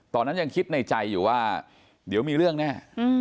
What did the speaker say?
ตอนนั้นยังคิดในใจอยู่ว่าเดี๋ยวมีเรื่องแน่